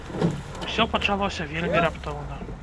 Усё пачалося вельмі раптоўна.